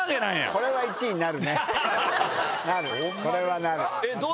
これはなる。